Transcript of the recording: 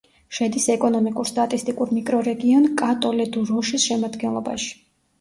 შედის ეკონომიკურ-სტატისტიკურ მიკრორეგიონ კატოლე-დუ-როშის შემადგენლობაში.